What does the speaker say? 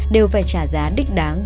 đều phải trả giá đích đáng